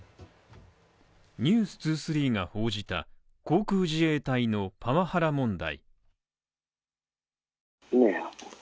「ｎｅｗｓ２３」が報じた航空自衛隊のパワハラ問題。